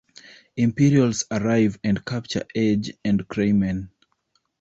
Imperials arrive and capture Edge and Craymen.